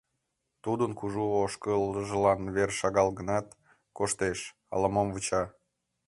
Тудын кужу ошкылжылан вер шагал гынат, коштеш, ала-мом вуча.